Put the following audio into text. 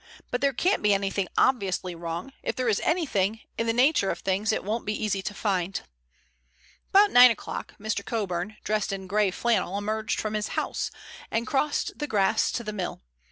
But there can't be anything obviously wrong. If there is anything, in the nature of things it won't be easy to find." About nine o'clock Mr. Coburn, dressed in gray flannel, emerged from his house and crossed the grass to the mill.